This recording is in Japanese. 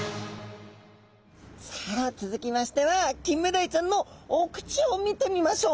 さあ続きましてはキンメダイちゃんのお口を見てみましょう。